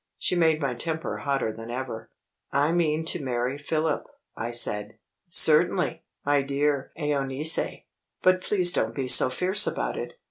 She made my temper hotter than ever. "I mean to marry Philip," I said. "Certainly, my dear Euneece. But please don't be so fierce about it."